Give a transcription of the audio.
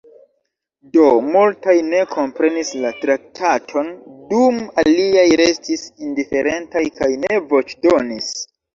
Do multaj ne komprenis la traktaton, dum aliaj restis indiferentaj kaj ne voĉdonis.